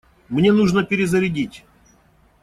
Мне нужно перезарядить.